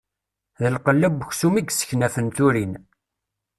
D lqella n uksum i yesseknafen turin.